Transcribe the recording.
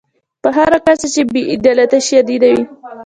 په هر کچه چې بې عدالتي شدیده وي.